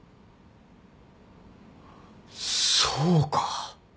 そうか。